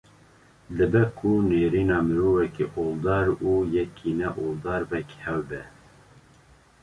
Dibe ku nêrîna mirovekî oldar û yekî ne oldar wek hev be